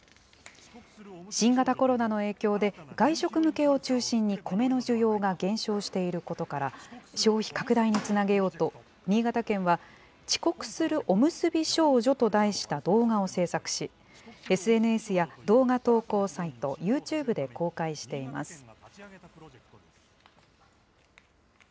新型コロナの影響で、外食向けを中心にコメの需要が減少していることから、消費拡大につなげようと、新潟県は遅刻するおむすび少女と題した動画を制作し、ＳＮＳや、動画投稿サイト、ＹｏｕＴｕｂｅで公開しています。